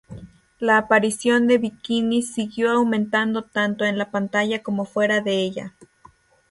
La aparición de bikinis siguió aumentando tanto en la pantalla como fuera de ella.